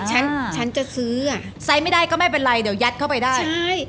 ฉันฉันจะซื้ออ่ะไซส์ไม่ได้ก็ไม่เป็นไรเดี๋ยวยัดเข้าไปได้ใช่